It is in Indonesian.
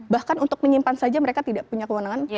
bahkan untuk menyimpan saja mereka tidak punya kewenangan